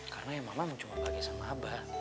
karena ya mama cuma mau bahagia sama abah